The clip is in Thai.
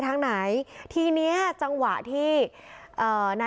สมบัติการพลังมีชาติรักษ์ได้หรือเปล่า